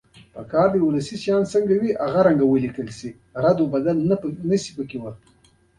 د ګچ پوډر او د بوسو سريښ د اړتیا وړ توکي دي.